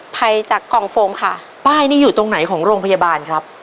ภัยจากกล่องโฟมค่ะป้ายนี้อยู่ตรงไหนของโรงพยาบาลครับ